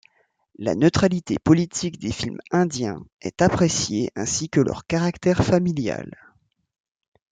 La neutralité politique des films indiens est appréciée ainsi que leur caractère familial.